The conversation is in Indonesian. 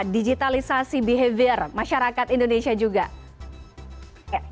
digitalisasi behavior masyarakat indonesia juga